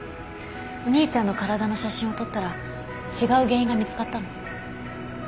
お兄ちゃんの体の写真を撮ったら違う原因が見つかったの。